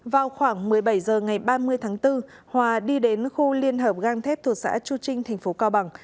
vào khoảng một mươi bảy giờ ngày ba mươi tháng bốn hòa đi đến khu liên hợp gang thép thuộc xã chu trinh tp cao bằng